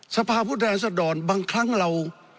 สภาพุทธแรงสะดอนบางครั้งเรา